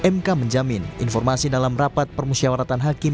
mk menjamin informasi dalam rapat permusyawaratan hakim